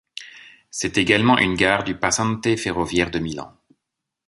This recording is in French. C'est également une gare du Passante ferroviaire de Milan.